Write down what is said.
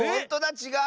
ちがう！